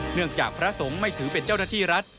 เนื่องจากพระสงฆ์ไม่ถือเป็นเจ้าหน้าที่รัฐ